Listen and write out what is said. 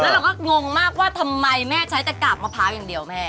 เราก็งงมากว่าทำไมแม่ใช้แต่กาบมะพร้าวอย่างเดียวแม่